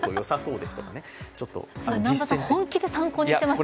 南波さん、本気で参考にしてますね。